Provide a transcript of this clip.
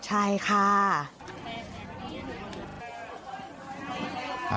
ใช่ค่ะ